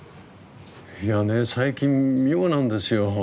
いやね最近妙なんですよ。